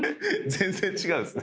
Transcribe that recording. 全然違うんすね。